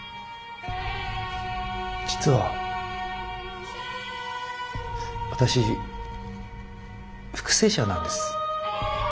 実は私復生者なんです。